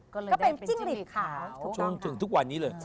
ก็เลยก็เป็นจิ้งหลีดขาจนถึงทุกวันนี้เลย